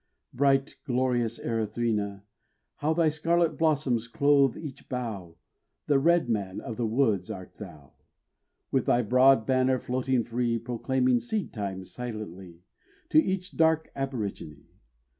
Bright, glorious Erythrina, how Thy scarlet blossoms clothe each bough, The "Red man" of the woods art thou, With thy broad banner floating free, Proclaiming "seed time" silently, To each dark aborigine.